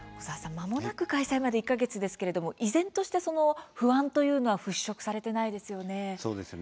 まもなく開催まで１か月ですけれども、依然として不安というのは払拭されていないですよね。